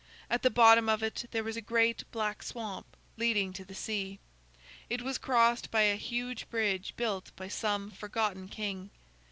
At the bottom of it there was a great black swamp, leading to the sea. It was crossed by a huge bridge built by some forgotten king.